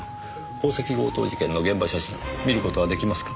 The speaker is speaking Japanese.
宝石強盗事件の現場写真見る事は出来ますか？